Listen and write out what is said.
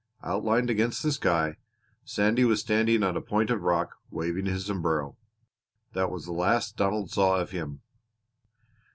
Outlined against the sky Sandy was standing on a point of rock, waving his sombrero. That was the last Donald saw of him.